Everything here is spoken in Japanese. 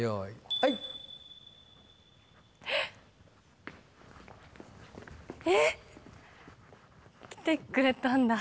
はいえっえっ来てくれたんだ